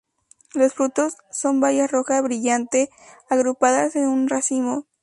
Los frutos son bayas rojas brillante agrupadas en un racimo.